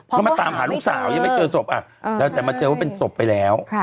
เขามาตามหาลูกสาวยังไม่เจอศพแล้วแต่มาเจอว่าเป็นศพไปแล้ว